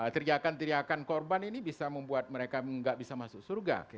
teriakan teriakan korban ini bisa membuat mereka nggak bisa masuk surga